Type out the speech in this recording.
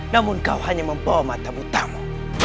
namun kau hanya membawa mata butamu